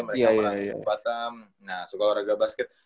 mereka merangkut di batam suka olahraga basket